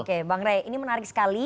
oke bang rey ini menarik sekali